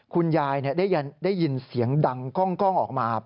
คุณยายได้ยินเสียงดังกล้องออกมา